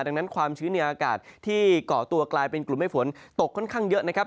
ดังนั้นความชื้นในอากาศที่เกาะตัวกลายเป็นกลุ่มให้ฝนตกค่อนข้างเยอะนะครับ